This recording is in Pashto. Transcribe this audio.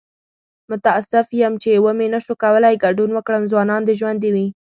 متاسف یم چې و مې نشو کولی ګډون وکړم. ځوانان دې ژوندي وي!